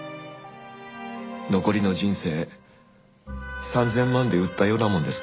残りの人生３０００万で売ったようなもんですね。